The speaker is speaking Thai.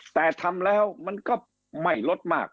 แต่ทำแล้วมันก็ไม่ลดมาก